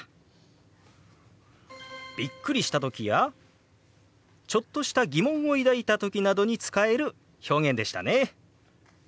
びっくりした時やちょっとした疑問を抱いた時などに使える表現でしたね。